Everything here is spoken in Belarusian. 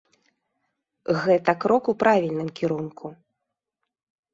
Гэта крок у правільным кірунку.